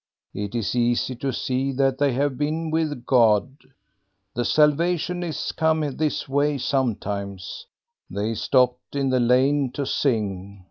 It is easy to see that they have been with God. The Salvationists come this way sometimes. They stopped in the lane to sing.